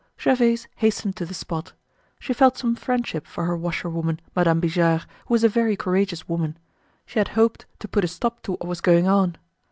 Gervaise hastened to the spot. She felt some friendship for her washer woman, Madame Bijard, who was a very courageous woman. She had hoped to put a stop to what was going on.